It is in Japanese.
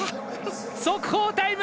速報タイム！